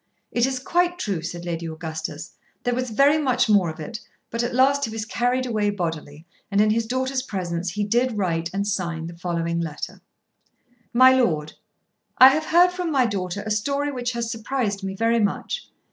"It is quite true," said Lady Augustus. There was very much more of it, but at last he was carried away bodily, and in his daughter's presence he did write and sign the following letter; MY LORD, I have heard from my daughter a story which has surprised me very much.